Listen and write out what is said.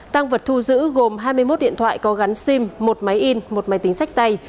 tăng vật thu giữ gồm hai mươi một điện thoại có gắn sim một máy in một máy tính sách tay